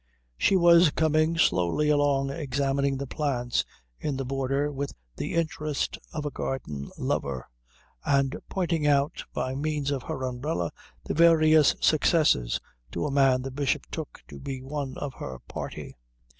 She was coming slowly along examining the plants in the border with the interest of a garden lover, and pointing out by means of her umbrella the various successes to a man the Bishop took to be one of her party.